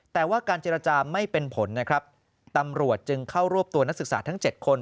แต่ว่าการเจรจาไม่เป็นผลนะครับตำรวจจึงเข้ารวบตัวนักศึกษาทั้ง๗คน